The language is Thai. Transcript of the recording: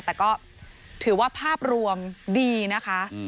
แต่ก็ถือว่าภาพรวมดีนะคะ